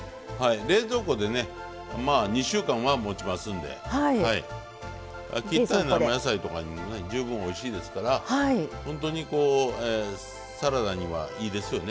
冷蔵庫でねまあ２週間はもちますんで切った生野菜とかにもね十分おいしいですから本当にサラダにはいいですよね。